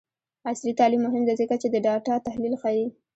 عصري تعلیم مهم دی ځکه چې د ډاټا تحلیل ښيي.